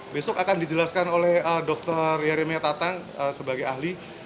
besok akan dijelaskan oleh dr yeremia tatang sebagai ahli